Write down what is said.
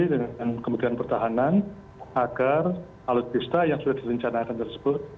dengan kemudian pertahanan agar alat pesta yang sudah direncanakan tersebut